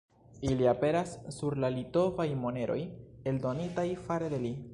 Ili aperas sur la litovaj moneroj eldonitaj fare de li.